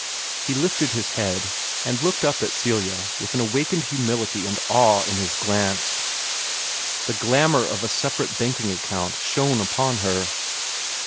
He lifted his head, and looked up at Celia with an awakened humility and awe in his glance. The glamour of a separate banking account shone upon her.